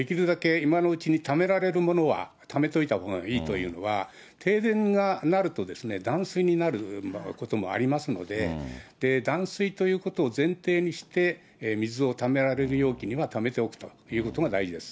今のうちにためられるものはためといたほうがいいというのは、停電になると断水になることもありますので、断水ということを前提にして、水をためられる容器にはためておくということが大事です。